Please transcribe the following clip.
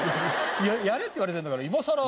やれって言われてんだから今さら。